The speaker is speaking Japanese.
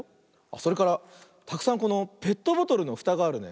それからたくさんこのペットボトルのふたがあるね。